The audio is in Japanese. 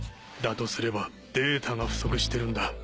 とすればデータが不足してるんだ。